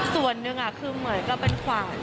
ส่วนหนึ่งคือเหมือนกับเป็นขวาน